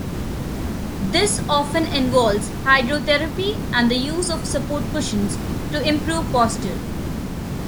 This often involves hydrotherapy and the use of support cushions to improve posture.